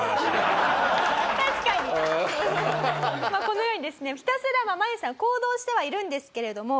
このようにですねひたすらマユさん行動してはいるんですけれども。